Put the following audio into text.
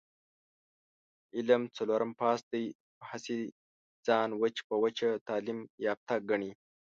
علي څلورم پاس دی، خو هسې ځان وچ په وچه تعلیم یافته ګڼي...